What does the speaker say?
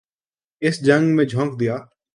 اس جنگ میں جھونک دیا۔